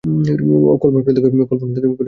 কল্পনা করে দেখো আমার কেমন লেগেছে।